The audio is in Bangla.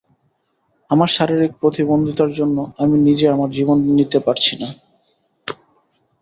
আমার শারীরিক প্রতিবন্ধিতার জন্য আমি নিজে আমার জীবন নিতে পারছি না।